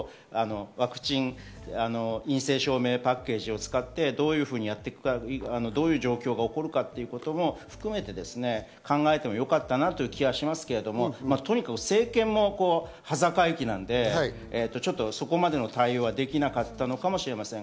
ワクチン、陰性証明パッケージを使ってどういう状況が起こるかということも含めて考えてもよかったなという気がしますけれども、とにかく政権も端境期なのでそこまでの対応ができなかったのかもしれません。